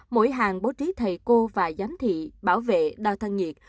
mỗi hàng bố trí thầy cô và giám thị bảo vệ đo thân nhiệt